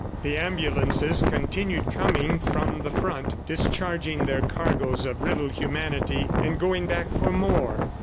The ambulances continued coming from the front, discharging their cargoes of riddled humanity and going back for more.